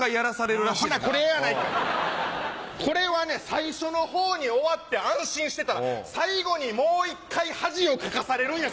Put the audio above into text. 最初の方に終わって安心してたら最後にもう一回恥をかかされるんや。